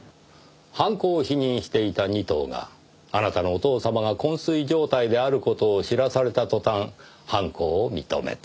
犯行を否認していた仁藤があなたのお父様が昏睡状態である事を知らされた途端犯行を認めた。